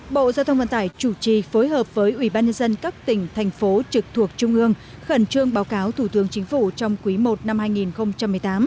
bộ giao thông vận tải chủ trì phối hợp với ủy ban nhân dân các tỉnh thành phố trực thuộc trung ương khẩn trương báo cáo thủ tướng chính phủ trong quý i năm hai nghìn một mươi tám